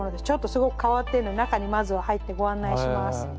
ちょっとすごく変わってるので中にまずは入ってご案内します。